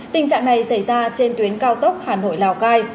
tình trạng này xảy ra trên tuyến cao tốc hà nội lào cai